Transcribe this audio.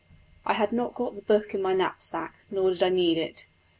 I had not got the book in my knapsack, nor did I need it.